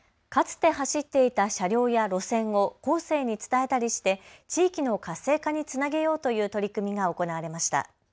かつて走っていた車両や路線を後世に伝えたりして地域の活性化につなげようという取り組みが行われました。